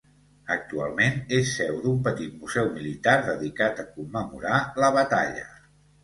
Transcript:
Actualment és seu d'un petit museu militar dedicat a commemorar la batalla.